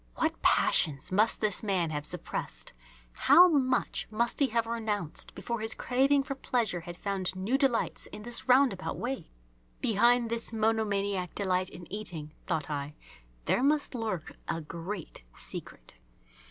What passions must this man have suppressed, how much must he have renounced, before his craving for pleasure had found new delights in this roundabout way! Behind this monomaniac delight in eating, thought I, there must lurk a great secret.